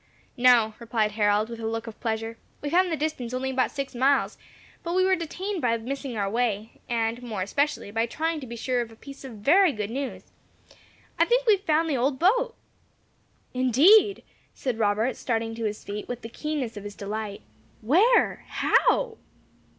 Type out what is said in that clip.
"No," replied Harold, with a look of pleasure; "we found the distance only about six miles, but we were detained by missing our way, and more especially by trying to be sure of a piece of very good news. I think we have found the old boat." "Indeed!" said Robert, starting to his feet, with the keenness of his delight. "Where? How?"